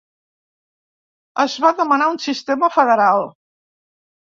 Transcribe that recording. Es va demanar un sistema federal.